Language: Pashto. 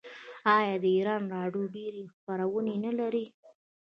آیا د ایران راډیو ډیرې خپرونې نلري؟